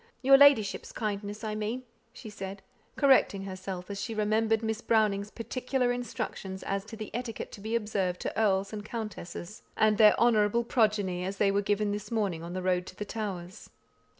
Your ladyship's kindness, I mean," she said, correcting herself as she remembered Miss Browning's particular instructions as to the etiquette to be observed to earls and countesses, and their honourable progeny, as they were given that morning on the road to the Towers.